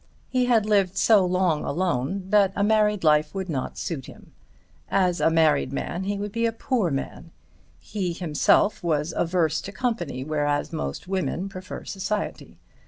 He had lived so long alone that a married life would not suit him; as a married man he would be a poor man; he himself was averse to company, whereas most women prefer society.